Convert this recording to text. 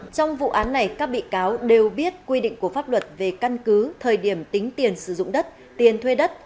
trong vụ án này các bị cáo đều biết quy định của pháp luật về căn cứ thời điểm tính tiền sử dụng đất tiền thuê đất